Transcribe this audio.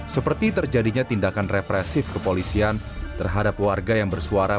seperti terjadinya tindakan represif kepolisian terhadap warga yang bersuara